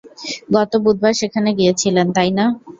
গত বুধবারে সেখানে গিয়েছিলেন, তাইনা?